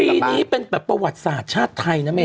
ปีนี้เป็นแบบประวัติศาสตร์ชาติไทยนะเมย